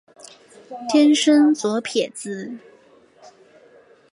天生左撇子。